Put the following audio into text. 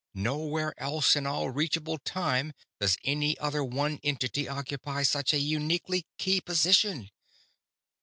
Nowhere else in all reachable time does any other one entity occupy such a uniquely key position!"